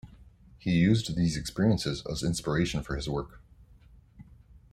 He used these experiences as inspiration for his work.